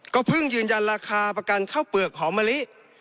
ก็เพิ่งยืนยันราคาประกันข้าวเปลือกหอมมะลิ